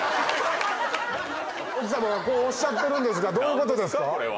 奥さまがおっしゃってるどういうことですか？